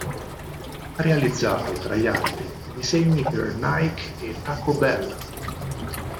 Ha realizzato, tra gli altri, disegni per Nike e Taco Bell.